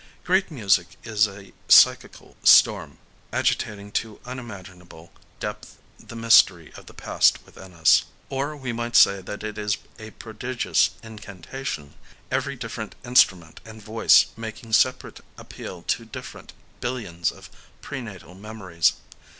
Great music is a psychical storm, agitating to unimaginable depth the mystery of the past within us. Or we might say that it is a prodigious incantation, every different instrument and voice making separate appeal to different billions of prenatal memories.